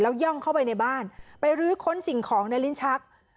ย่องเข้าไปในบ้านไปรื้อค้นสิ่งของในลิ้นชัก